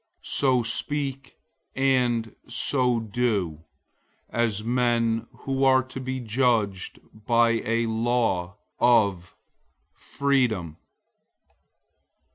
002:012 So speak, and so do, as men who are to be judged by a law of freedom.